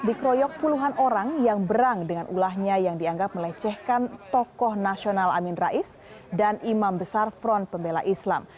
dikeroyok puluhan orang yang berang dengan ulahnya yang dianggap melecehkan tokoh nasional amin rais dan imam besar front pembela islam